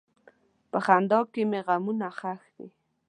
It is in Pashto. په خندا کې مې غمونه ښخ دي.